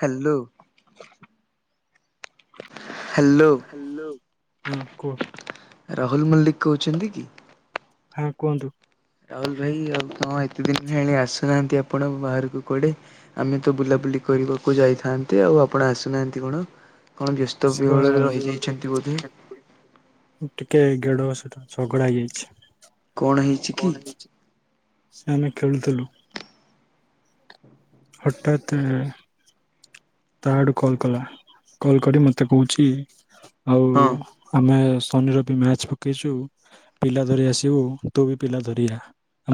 Hello hello. Hello ହଁ କୁହ। ରାହୁଲ ମଲ୍ଲିକ୍ କହୁଛନ୍ତି କି? ହଁ କୁହନ୍ତୁ? ରାହୁଲ ଭାଇ ଆଉ କଣ ଏତେ ଦିନ୍ ହେଣି ଆସୁନାହାନ୍ତି ଆପଣ ବାହାରକୁ କୁଆଡେ? ଆମେ ତ ବୁଲାବୁଲି କରିବାକୁ ଯାଇଥାନ୍ତେ ଆଉ ଆପଣ ଆସୁନାହାନ୍ତି କଣ? କଣ ବ୍ୟସ୍ତ ବିହଳରେ ରହିଯାଇଛନ୍ତି ବୋଧେ? ଟିକେ ଗେଡ ସେତ ଝଗଡା ହେଇଯାଇଛି। କଣ ହେଇଛି? ସେମାନେ ଖେଳୁଥିଲୁ, ହଠାତ୍ ତା ଆଡୁ କଲ୍ କଲା, କଲ୍ କରି ମତେ କହୁଛି ଆଉ? ହଁ ଆମେ ଶନି ରବି ମ୍ୟାଚ ପକେଇଛୁ ପିଲା ଧରି ଆସିବୁ ତୁ ବି ପିଲା ଧରି ଆ।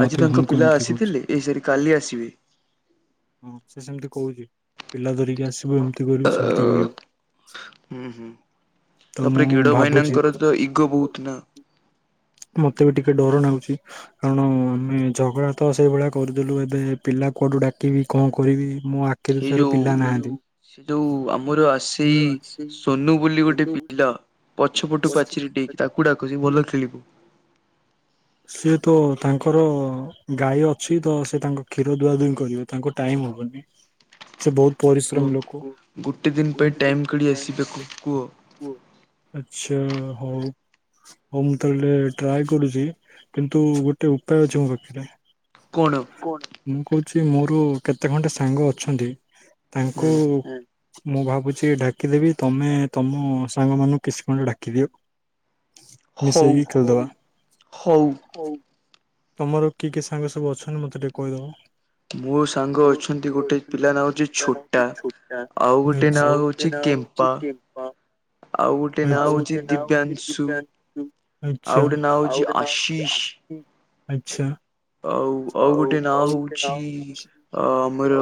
ଆଜି ତାଙ୍କ ପିଲା ଆସିଥିଲେ ଏସରି କାଲି ଆସିବେ? ହଁ ସେ ସେମିତି କହୁଛି ପିଲା ଧରିକି ଆସିବ ଏମତି? ଯଦି କରିବୁ ସକାଦି ଭଳି ଉ ହୁଁ ତାପରେ ଗିଡ଼ ଭାଇନାଙ୍କର ତ ଇଗୋ ବହୁତ ନା? ମତେ ବି ଟିକେ ଡର ନାଗୁଛି? କାରଣ ଆମେ ଝଗଡା ତ ସେଇଭଳିଆ କରିଦେଲୁ ଏବେ ପିଲା କୁଆଡୁ ଡାକିବି କଣ କରିବି ମୋ? ବିଷୟରେ ପିଲା ନାହାନ୍ତି? ସେ ଯୋଉ ଆମର ଆସେ? ସୋନୁ ବୋଲି ଗୋଟେ ପିଲା ପଛପଟୁ ପାଚେରି ଡେଇଁକି ଡାକୁ ଡାକ ସେ ଭଲ ଖେଳିବ? ସିଏ ତ ତାଙ୍କର ଗାଈ ଅଛି ତ ସେ ତାଙ୍କ କ୍ଷୀର ଦୁଆ ଦୁଇଁ କରିବେ ତାଙ୍କୁ ଟାଇମ୍ ହବନି ସେ ବହୁତ୍ ପରିଶ୍ରମି ଲୋକ ଆଛା ହଉ ହଉ ମୁଁ ତାହେଲେ ଟ୍ରାଏ କରୁଛି? କିନ୍ତୁ ଗୋଟେ ଉପାୟ ଅଛି ମୋ ପାଖରେ? କଣ? ମୁଁ କହୁଛି ମୋର କେତେ ଖଣ୍ଟେ ସାଙ୍ଗ ଅଛନ୍ତି ତାଙ୍କୁ ମୁଁ ଭାବୁଛି ଡ଼ାକିଦେବି ତମେ ତମ ସାଙ୍ଗ ମାନଙ୍କୁ କିଛି ଖଣ୍ଡେ ଡାକି ଦିଅ? ମିଶେଇକି ଖେଳିଦେବା? ହଉ। ହଉ ତମର କିଏ କିଏ ସାଙ୍ଗ ସବୁ ଅଛନ୍ତି ମତେ ଟିକେ କହିଦବ? ମୋ ସାଙ୍ଗ ଅଛନ୍ତି ଗୋଟେ ପିଲା ନାଁ ହଉଛି ଛୋଟା ଆଉ ଗୋଟେ ନାଁ ହଉଛି କେମ୍ପ ଚିକେପା ଆଉ ଗୋଟେ ନାଁ ହଉଛି ଦିବ୍ୟାଂଶୁ ଆଉ ଗୋଟେ ନାଁ ହଉଛି ଆସ୍ ତିଶ୍ ଆଛା ଆଉ ଆଉ ଗୋଟେ ନାଁ ହଉଛି ଆମର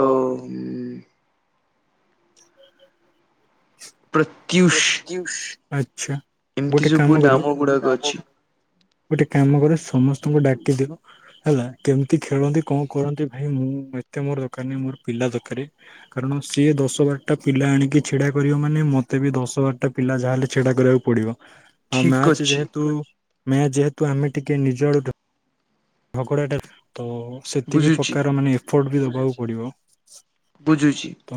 [unintelligible] ପ୍ରତୀସୁ - ସୁ ଆଛା ଗୋଟେ କାମ କର? ଗୋଟେ କାମ କର ସମସ୍ତଙ୍କୁ ଡାକି ଦିଅ? ହେଲା କେମିତି ଖେଳନ୍ତି କଣ କରନ୍ତି ଭାଇ ମୁଁ ଏତେ ମୋର ଦରକାର ନାହି ମୋର ପିଲା ଦରକାର? କାରଣ ସିଏ ଦୋଷ ଦଶ ବାରଟା ପିଲା ଆଣିକି ଛିଡା କରିବ ମାନେ ମତେ ବି ଦଶ ବାରଟା ପିଲା ଯାହା ହେଲେ ଛିଡା କରିବାକୁ ପଡିବ? ଆଉ ମ୍ୟାଚ୍ ଯେହେତୁ ମ୍ୟାଚ୍ ଯେହେତୁ ଆମେ ଟିକେ ନିଜ ଆଡୁ ଝଗଡ଼ା ଟା ତ ସେତିକି ପ୍ରକାର ମାନେ ଏଫର୍ଟ ବି ଦବାକୁ ପଡିବ? ବୁଝୁଛି ତ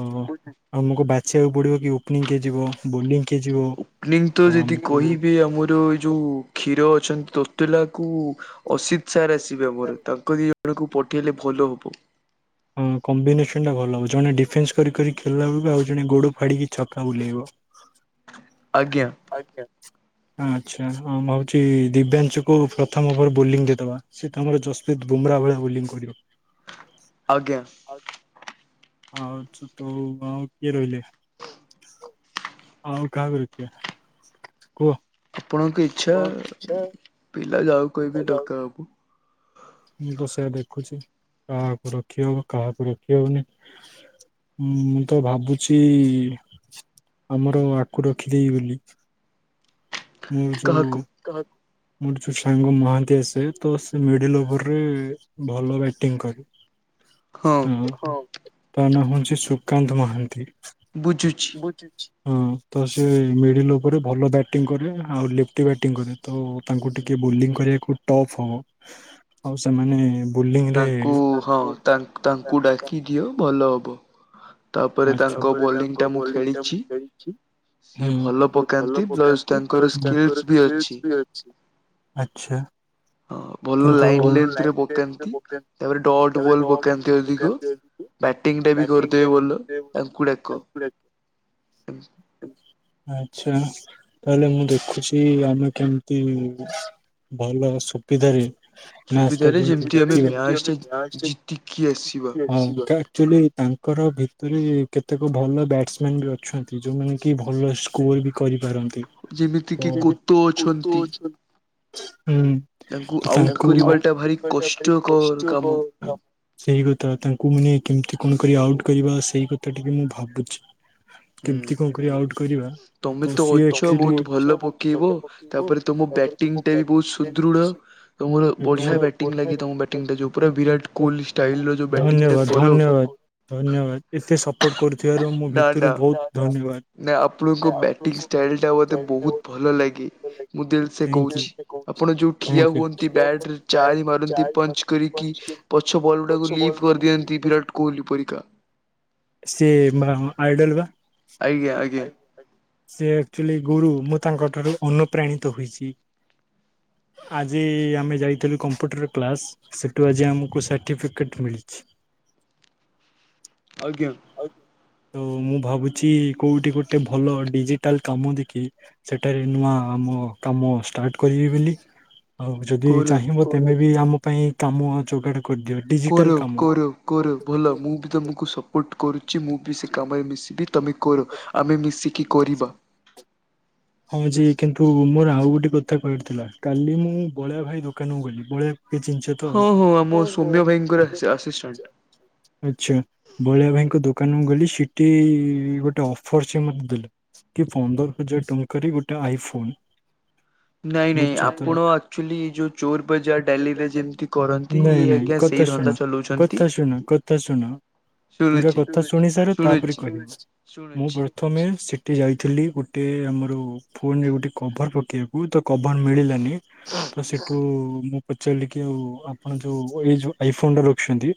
ଆମକୁ ବାଛିବାକୁ ପଡ଼ିବ କି ଓପନିଂ କିଏ ଯିବ? ବୋଲିଂ କିଏଯିବ? ଓପନିଂତ ଯଦି କହିବେ ଆମର ଏଇଯୋଉ। କ୍ଷୀର ଅଛନ୍ତି ତୋତୁଲା କୁ ଅସିତ୍ ସାର୍ ଆସିବେ ଆମୋର ତାଙ୍କରି। ଆପଣକୁ ପଠେଇଲେ ଭଲ ହବ। ହଁ କମ୍ବିନେସନ ଟା ଭଲ ଜଣେ ଡିଫେନ୍ସ କରିିକରି ଖେଳିଲାବେଳକୁ ଆଉ ଜଣେ ଗୋଡ ଫାଡିକି ଛକା ବୁଲେଇବ। ଆଜ୍ଞା। ଆଜ୍ଞା ଆଚ୍ଛା ହଁ ମୁଁ ଭାବୁଛି ଦିବ୍ୟାଂଶୁକୁ ପ୍ରଥମ ଓଭର ବୋଲିଂ ଦେଇଦେବା। ସେିକାମରେ ତ ଚସ୍ମିତ୍ ବୁମ୍ରା ଭଳିଆ ବୋଲିଂ କରିବ। ଆଜ୍ଞା। ଆଉଅଛୁ ତୁ ଆଉ କିଏ ରହିଲେ। ଆଓ କାହାକୁ ରଖିିବା କୁହ। ଆପଣଙ୍କ ଇଚ୍ଛା ପିଲାଯାହାକୁ କହିବେ ଡକାହବ। ମୁଁତ ସେୟା ଦେଖୁଛି କାହାକୁ ରଖିହବ କାହାକୁ ରଖିହବନି। ଉଁ ମୁଁତ ଭାବୁଛି ଆମର ଆକୁ ରଖିଦେବି ବୋଲି। ମୋର ଯୋଉ କହାକୁ ମୋର ଯୋଉ ସାଙ୍ଗ ମହାନ୍ତି ଆସେ ତ ସେ ମିଡିଲ ଓଭରରେ। ଭଲ ବ୍ୟାଟିଂ କରେ। ହଁ କ ତା ନାଁ ହଉଛି ସୁକାନ୍ତ ମହାନ୍ତି। ବୁଝୁଛି। ବୁଝୁଛି ହଁ ତ ସେ ମିଡିଲ୍ ଉପରେ ଭଲ ବ୍ୟାଟିଂ କରେ। ଆଉ ଲିଟି ବ୍ୟାଟିଂ କରେ ତ ତାଙ୍କୁ ଟିକେ ବୋଲିଂ କରିବାକୁ ଟପ୍ ହେବ। ଆଉ ସେମାନେ ବୋଲିଂରେ ସାର୍। ତାଙ୍କ ତାଙ୍କୁ ଡାକିଦିଅ ଭଲହେବ। ଆଛା ତାପରେ ତାଙ୍କ ବୋଲିଂ ଟା ମୁଁ ଖେଳିଛି। ହୁଁ ଭଲ ପକାନ୍ତି ପ୍ଲ ତାଙ୍କର ସ୍ ବି ଅଛି ଆଛା। ହଁ ଭଲ ଲାଇନ୍ ଲେନ୍ଥରେ ପକାନ୍ତି। ତାପରେ ଡଟ୍ ବଲ୍ ପକାନ୍ତି ଅଧିକ ବ୍ୟାଟିଂ ଟା ବି କରିଦେବେ ଭ। ସେମ୍ ପ୍ଲେସେ ଆଚ୍ଛା। ତାହେଲେ ମୁଁ ଦେଖୁଛି ଆମେ କେମିତି ଭଲ ସୁଖି ଧାରେ। ନାସ୍ତା ଯେ ହଁ ଆକ୍ଚୁଲି ତାଙ୍କର ଭୀତ। ଆକ୍ଚୁଲି କେତେକ ଭଲ ବ୍ୟଟ୍ସ ମ୍ୟାନ୍ ବି ଅଛନ୍ତି ଯୋଉମାନେ କି ଭଲ ସ୍କୋର ବି। କରିପାରନ୍ତି ହୁଁ ଆକ୍ଚୁଲି କୁତ ଅଛନ୍ତି। ତ ତାକୁ ଆଉଟ୍ କରିବା ଟା ଭାଇ କଷ୍ଟ କ। ସେଇକଥା ତାଙ୍କୁମାନେ କେମିତି କଣକରି ଆଉଟ୍ କରିବା ସେଇକଥା ଟିକେ ମୁଁ ଭାବୁଛି। [inaudible] କେମିତି କଣ କରି ଆଉଟ୍ କରିବା। ତମେ ତ ଅଛ ବହୁତ୍ ଭଲ ପକେଇବ ତାପରେ ତମ ବ୍ୟାଟିଂ ଟାବି ବହୁତ୍ ସୁଦୃଢ। ତ ମର ବଢିଆ ବ୍ୟାଟିଂ ଲାଗେ ତମ ବ୍ୟାଟିଂ ଟା ଯୋଉ ପୁରା ବିରାଟ କୋହିଲି ଷ୍ଟାଇଲ ର ଯୋଉ ବ୍ୟାଟିଂ ଟା କର। ଧନ୍ୟବାଦ ଏତେ ସପୋର୍ଟ କରୁଥିବାରୁ ମୋ ଭିତରୁ ବହୁତ୍ ଧନ୍ୟବାଦ୍। ନା ଆପଣଙ୍କ ବ୍ୟାଟିଂ ଷ୍ଟାଇଲ୍ ଟା ମୋତେ ବହୁତ୍ ଭଲ ଲାଗେ ମୁଁ ଦିଲ୍ ସେ କହୁଛି। ଆପଣଯୋଉ ଠିଆହୁଅନ୍ତି ବ୍ୟାଟରେ ଚାରି ମାରନ୍ତି ପଞ୍ଚ୍ କରିକି। ପଛ ବଲ୍ ଗୁଡାକୁ ଲିଭ୍ କରିଦିଅନ୍ତି ବିରାଟ କୋହିଲି ପରିକା। ସେ ବା ଆଇଡଲ ବା। ସେ ଆକ୍ଚୁଲି ଗୁରୁ ମୁଁ ତାଙ୍କଠାରୁ ଅନୁପ୍ରାଣିତ ହୋଇଛି। ଆଜି ଆମେ ଯାଇଥିଲୁ କମ୍ପ୍ୟୁଟର୍ କ୍ଲାସ୍। ସେଠୁ ଆଜି ଆମକୁ ସାର୍ଟିଫିକେଟ୍ ମିଳିଛି। ଆଜ୍ଞା। ଆ ତ ମୁଁ ଭାବୁଛି କୋଉଠି ଗୋଟେ ଭଲ ଡିଜିଟାଲ୍ କାମ ଦେଖେଇବି। ସେଠାରେ ନୂଆ ଆମ କାମ ଷ୍ଟାର୍ଟ କରିବେ ବୋଲି। ଆଉ ଯଦି ଚାହିଁବ ତେବେ ବି ଆମ ପାଇଁ କାମ ଯୋଗାଡ଼ କରିଦେବେ। କର କର କର ଭଲ ମୁଁ ବି ତମକୁ ସପୋର୍ଟ କରୁଚି ମୁଁ ବି ସେ କାମରେ ମିଶିବି ତମେ କର ଆମେ ମିଶିକି କରିବା ହଁ ଯେ କିନ୍ତୁ ମୋର ଆଉ ଗୋଟେ କଥା କହିିବାରଥିଲା କାଲି ମୁଁ ବଳିଆ ଭାଇ ଦୋକାନ କୁ ଗଲି ବଳିଆ ହଁ ହଁ ଆମ ସୌମ୍ୟ ଭାଇଙ୍କର ଆସିଷ୍ଟାଣ୍ଟ ଆଚ୍ଛା ବଳିଆ ଭାଇଙ୍କ ଦୋକାନ ମୁ ଗଲି ସେଠି ଗୋଟେ ଅଫର ସେ ମତେ ଦେଲେ କି ପନ୍ଦର ହଜାର ଟଙ୍କାରେ ଗୋଟେ ଆଇ ଫୋନ୍ ନାଇଁ ନାଇଁ ଆପଣ ଆକ୍ଚୁଆଲି ଯୋଉ ଚୋର ବଜାର ଡାଲିରେ ଯେମିତି କରନ୍ତି ନାଇଁ ନାଇଁ କଥା ଶୁଣ କଥା ଶୁଣ କଥା ଶୁଣ ପୁରା କଥା ଶୁଣି ସାର ତାପରେ କହିବ ମୁଁ ପ୍ରଥମେ ସିଟି ଯାଇଥିଲି ଗୋଟେ ଆମ ଫୋନରେ ଗୋଟେ କଭର୍ ପକେଇବାକୁ ତକଭର୍ ମିଳିଲାନି ତ ସେଠୁ ମୁଁ ପଚାରିଲିକି ଆଉ ଆପଣ ଯୋଉ ଏଇ ଯୋଉ ଆଇ ଫୋନଟା ରଖିଛନ୍ତି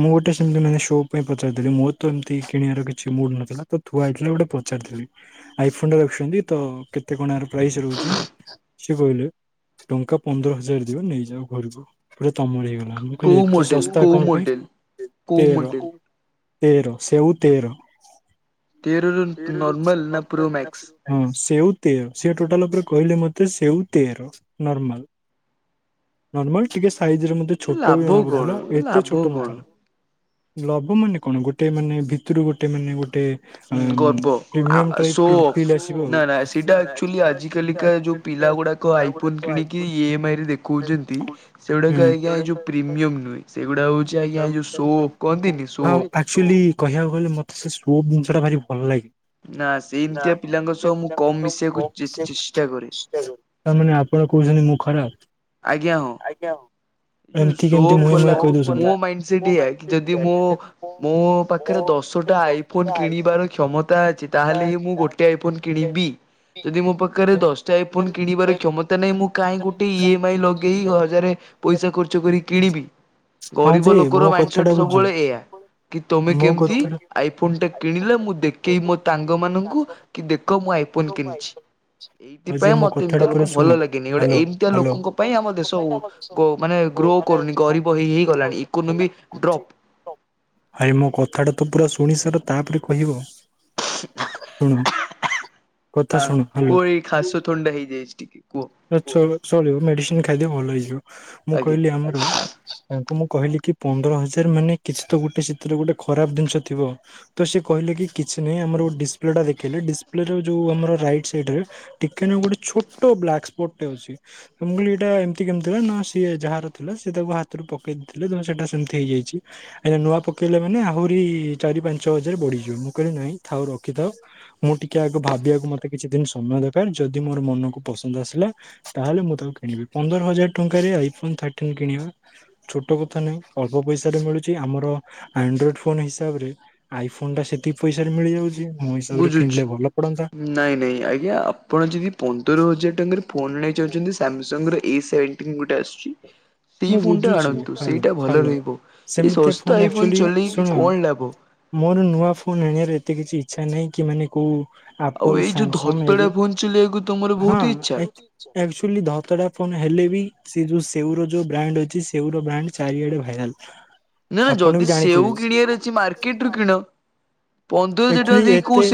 ମୁଁ ଗୋଟେ ସେମିତି ମାନେ ଶୋ ପାଇଁ ପଚାରଥିଲି ମୋରତ ଏମିତି କିଣିବାର କିଛି ମୁଡ୍ ନଥିଲା ତ ତୁଆଇହେଇଥିଲା ଗୋଟେ ପଚାରିଥିଲି ଆଇଫୋନ୍ ରଖିଛନ୍ତି ତକେତେ କଣ ଆର ପ୍ରାଇସ୍ ରହୁଚି ସେ କହିଲେ ଟଙ୍କା ପନ୍ଦର ହଜାର ଦିଅ ନେଇଯାଅ ଘରକୁ ପୁରା ତମର ହେଇଗଲା ମୁଁ କହିଲି ଏତେ ଶସ୍ତା କଣ ପାଇଁ ତେର ତେର ସେଉ ତେର ତେରରୁ ନର୍ମାଲ ନା ପ୍ରୋମ୍ୟାକ୍ସ? ହଁ ସେଉ ତେର ସେଟୋଟାଲ ଉପରେ କହିଲେ ମତେ ସେଉ ତେର ନର୍ମାଲ ନର୍ମାଲ ଟିକେ ସାଇଜରେ ମତେ ଛୋଟବି ଜଣା ପଡ଼ୁଥିଲା ଏତେ ଛୋଟ ନଥିଲା। ଲୋଵ ମାନେ କଣ ଗୋଟେ ମାନେ ଭିତରୁ ଗୋଟେ ମାନେ ଗୋଟେ ଏମ୍ ପ୍ରିମିୟମ୍ ଟ୍ରାକ୍ଟି ପିଲେସ୍ ନା ନା ସେଇଟା ଆକ୍ଚୁଲି ଆଜିିକାଲିକା ଯୋଉ ପିଲା ଗୁଡ଼ାକ ଆଇଫୋନ୍ କିଣିକି ଇଏମ୍ ଆଇରେ ଦେ କହୁଛନ୍ତି ସେଗୁଡ଼ାକ ଆଜ୍ଞା ଏଯଉ ପ୍ରିମିୟମ୍ ନୁହେଁ ସେଗୁଡ଼ା ହଉଛି ଆଜ୍ଞା ଯଉ ସୋ କନ୍ତିିନି ସୂପ୍ ଆକ୍ଚୁଆଲି କହିବାକୁ ଗଲେ ମତେ ସେ ସୁପ୍ ଜିନିଷଟା ଭାରି ଭଲ ଲାଗେ। ନା ସେମିତିଆ ପିଲାଙ୍କ ସହ ମୁଁ କମ୍ ମିଶିବାକୁ ଯେତେ ଚେଷ୍ଟା କରେ [unintelligible] ତାମାନେ ଆପଣ କହୁଚନ୍ତି ମୁଁ ଖରାପ୍। ଆଜ୍ଞା ହଁ। [unintelligible] ଏ ସୋପ୍ କଲା ମୋ ମାଇଣ୍ଡ ସେଇଟି ଆ ଯଦି ମୁଁ ମୋ ମୋ ତୋ ପାଖରେ ଦଶଟା ଆଇଫୋନ୍ କିଣିବାର କ୍ଷମତା ଅଛି ତାହେଲେହିଁ ମୁଁ ଗୋଟେ ଆଇଫୋନ୍ କି କିିଣିବି ଯଦି ମୋ ପାଖରେ ଦଶଟା ଆଇ ଫୋନ୍ କିଣିବାର ‌ଖିମତା ନାହିଁ ମୁଁ କାହିଁକି ଗୋଟ ଇଏ ଲଗେଇ ହଜାରେ ପଇସା ଖର୍ଚ୍ଚ କରି କିଣିବି ଗରିବ ଲୋକର ମାଇଣ୍ଡ ସେଟ୍ ସବୁବେଳେ ଏଇଆ କି ତମେ କେମିତି ଆଇଫୋନଟେ କିଣିଲେ ମୁଁ ଦେଖେଇ ମୋ ତାଙ୍ଗ ମାନଙ୍କୁ କିଦେଖ ମୁଁ ଆଇ ନ କିଣିଛି ଏଇଥିପାଇଁ ମତେ ଏମିତିଆ ଲୋକ ଭଲ ଲାଗେନି ଗୋଟେ ଏମତିଆ ଲୋକଙ୍କ ପାଇଁ ଆମ ଦେଶ ଗୋ ମାନେ ଗ୍ରୋ କରୁନି ଗରିବ ହେଇ ହେଇଗଲାଣି ଇକୋନୋମି ଡ୍ରପ୍ ଆରେ ମୋ କଥାଟାତ ପୁରା ଶୁଣି ସାର ତାପରେ କହିବ ଶୁଣ ହଁ କୋଳି ଖାସ ଥଣ୍ଡ ହେଇଯାଇଚି ଟିକେ ଚ ଚଳିବ ମେଡ଼ିସିନ୍ ଖାଇଦିଅ ଭଲ ହେଇଯିବ ମୁଁ କହିଲି ଆମର ତାଙ୍କୁ ମୁଁ କହିଲିକି ପନ୍ଦର ହଜାର ମାନେ କିଛିତ ଗୋଟେ ସେଥିରେ ଗୋଟେ ଖରାପ୍ ଜିନିଷ ଥିବ ତସେ କହିଲେ କିଛି ନାହିଁ ଆମର ଡିସ୍ପ୍ଲେଟା ଦେଖେଇଲେ ଡିସପ୍ଲେର ଯଉ ଆମର ରାଇଟ୍ ସାଇଡ଼ରେ ଟିକେ ନାଗୁରୁ ଗୋଟେ ଛୋଟ ବ୍ଲାକ୍ ସ୍ପଟେ ଅଛି ମୁଁ କହିଲି ଏଇଟା ଏମିତି କେମିତିଥିଲା ନା ସିଏ ଯାହାର ଥିଲା ସେତାକୁ ହାତରୁ ପକେଇ ଦେଇଥିଲେ ତସେଟା ସେମିତି ହେଇଯାଇଚି ଏନା ନୂଆ ପକେଇଲେ ମାନେ ଆହୁରି ଚାରି ପାଞ୍ଚ ହଜାରେ ବୁଡ଼ିଯିବ ମୁଁ କହିଲି ନାଇଁ ଥାଉ ରଖିଥାଉ ମୁଁ ଟିକେ ଆଗ ଭାବିବାକୁ ମତେ କିଛି ଦିନି ସମୟ ଦରକାର୍ ଯଦି ମୋର ମନକୁ ପସନ୍ଦ ଆସିଲା ତାହେଲେ ମୁଁ ତାକୁ କିଣିବି ପନ୍ଦର ହଜାର ଟଙ୍କାରେ ଆଇଫୋନ୍ ଥାର୍ନ୍ କିଣିବା ଛୋଟ କଥା ନୁହେଁ ଅଳ୍ପ ପଇସାରେ ମିଳୁଚି ଆମର ଆଣ୍ଡ୍ରଏଡ ଫୋନ୍ ହିସାବରେ ଆଇ ଫୋନଟା ସେତିକି ପଇସାରେ ମିଳିଯାଉଚି ମୋ ହିସାବରେ କିଣିଲେ ଭଲ ପଡ଼ନ୍ତା ନାଇଁ ନାଇଁ ଆଜ୍ଞା ଆପଣ ଯଦି ପନ୍ଦର ହଜାର ଟଙ୍କାରେ ଫୋନ୍ ଆଣିବାକୁ ଚାହୁଁଛନ୍ତି ସାମସଙ୍ଗର ଏଇ ସେ ଗୋଟେ ଆସୁଚି ସେଇ ଫୋନଟା ଆଣନ୍ତୁ ସେଇଟା ଭଲ ରହିବ ଏ ଶସ୍ତା ଆଇଫୋନ ଚଲେଇକି କଣ ଲାଭ। ମୋର ନୂଆ ଫୋନ ଆଣିଆର ଏତେ କିଛି ଇଚ୍ଛା ନାହିଁ କି ମାନେ କୋଉ ଆପୂଲୁ ସାମସଙ୍ଗ ଏ ଯୋଉ ହଁ ଏ ଆକ୍ଚୁଲି ଧତଟା ଫୋନ୍ ହେଲେ ବି ସେ ଯୋଉ ସେଉର ଯୋ ଉ ବ୍ରାଣ୍ଡ ଅଛି ସେଓର ବ୍ରାଣ୍ଡ ଚାରିଆଡେ ଭାଇରାଲ। ଆପଣ ବି ଜାଣିଥିବେ? ଏଚୁଲି ଏତେ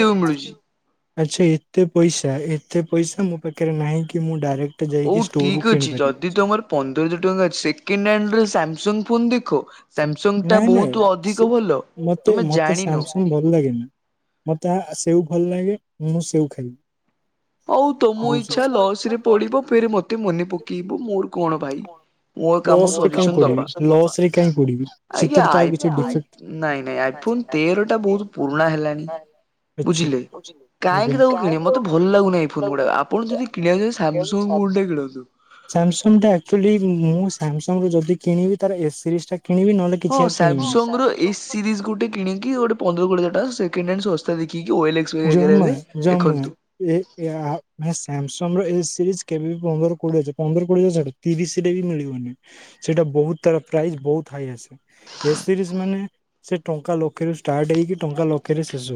ଆଚ୍ଛା ଏତେ ପଇସା ଏତେ ପଇସା ମୋ ପାଖରେ ନାହିଁ କି ମୁଁ ଡାଇରେକ୍ଟ ହୋଉ ଠିକ୍ ଅଛି ଯଦି ତମର ପନ୍ଦରହଜାର ଟଙ୍କା ଅଛି ସେକଣ୍ଡ ହ୍ୟାଣ୍ଡର ସାମସଙ୍ଗ ଫୋନ ଦେଖ। ନାଇଁ ନାଇଁ ମତେ ମତେ ସାମସଙ୍ଗ ଭଲ ଲାଗେନି। ମତେ ଆ ସେଉ ଭଲ ଲାଗେ ମୁଁ ସେଉ ଖାଇବି। ହୋଉ ତମ ଇଚ୍ଛା ଲସରେ ପଡିବ ଫେରେ ମତେ ମନେ ପକେଇବ ମୋର କଣ ଭାଇ। ମୋ କାମ ସଜେସନ୍ ଦବା ଆଜ୍ଞା ଆଇଫୋନ୍ ନାଇଁ ନାଇଁ ଆଇଫୋନ ତେରଟା ବହୁତ ପୁରୁଣା ହେଲାଣି। ବୁଝିଲେ କାହିଁକି ତାକୁ କିଣିବେ ମତେ ଭଲ ଲାଗୁନି ଆଇଫୋନ୍ ଗୁଡାକ ଆପଣ ଯଦ କିଣିବା କୁ ଚାହୁଛନ୍ତି ସାମସଙ୍ଗ ଫୋନ୍ ଟେ କିଣନ୍ତୁ। ସାମସଙ୍ଗ ଟା ଆକ୍ଚୁଲି ମୁଁ ସାମସଙ୍ଗ ରୁ ଯଦି କିଣିବି ତାର ଏସ୍ ସିରିଜ ଟା କିଣିବି ନହେଲେ ହଁ ସାମସଙ୍ଗର ଏସ୍ ସିରିଜ ଗୋଟେ କିଣିକି ଗୋଟେ ପନ୍ଦର କୋଡିଏ ହଜାର ଟଙ୍କା ସେକଣ୍ଡ ହ୍ୟାଣ୍ଡ ଶସ୍ତା ଦେଖିକି ଓଏଲ୍ଏକ୍ସ ବାଗେରାରେ ଦେଖନ୍ତୁ। ଏ ଆ ସାମସଙ୍ଗ ର ଏ ସିରିଜ କେବେ ବି ପନ୍ଦରରୁ କୋଡିଏ ପନ୍ଦର କୋଡ଼ିଏ ହଜାରେ ତିରିଶିରେ ବି ମିଳିବନି ସେଇଟା ବହୁତ ତାର ପ୍ରାଇସ୍ ବହୁତ ହାଇ ଆସେ। ଏସ୍ ସିରିଜ ମାନେ ସେ ଟଙ୍କା ଲକ୍ଷେରୁ ଷ୍ଟାର୍ଟ ହେଇକି ଟଙ୍କା ଲ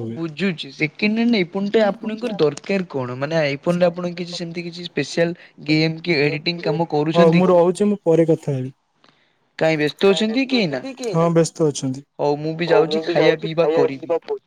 ମୁଁ ବୁଝୁଛି ସେକେଣ୍ଡ ହ୍ୟାଣ୍ଡ ଏ ଫୋନ୍ଟା ଆପଣଙ୍କର ଦରକାର କଣ ମାନେ ଆଇଫୋନରେ ଆପଣଙ୍କ କିଛି ସେମିତି କିଛି ସ୍ପେସିଆଲ [unintelligible] ହଉ ମୁଁ ରହୁଛି ମୁଁ ପରେ କଥା ହେବି। କାଇଁ ବ୍ୟସ୍ତ ଅଛନ୍ତି କି ହଁ ବ୍ୟସ୍ତ ଅଛନ୍ତି ହଉ ମୁଁ ବି ଯାଉଛି [unintelligible]